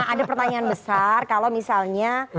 ada pertanyaan besar kalau misalnya